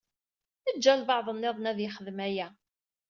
Eǧǧ albaɛḍ niḍen ad yexdem aya.